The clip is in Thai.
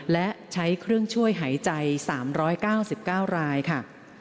และใช้เครื่องช่วยหายใจ๓๙๙รายค่ะ